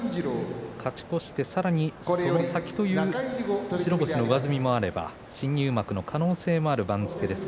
勝ち越して、さらにそれより先という白星の上積みがあれば新入幕の可能性がある番付です。